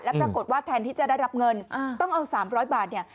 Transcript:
แล้วปรากฏว่าแทนที่จะได้รับเงินอ่าต้องเอาสามร้อยบาทเนี่ย